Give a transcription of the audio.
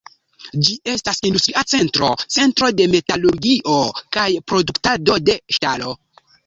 Ĝi estas industria centro, centro de metalurgio kaj produktado de ŝtalo.